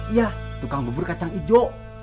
iya tukang bebur kacang ijo